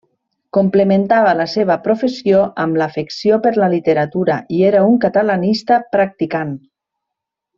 Complementava la seva professió, amb l'afecció per la literatura i era un catalanista practicant.